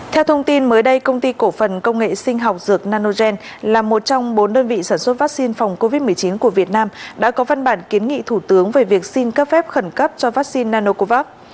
theo thông tin mới đây công ty cổ phần công nghệ sinh học dược nanogen là một trong bốn đơn vị sản xuất vaccine phòng covid một mươi chín của việt nam đã có văn bản kiến nghị thủ tướng về việc xin cấp phép khẩn cấp cho vaccine nanocovax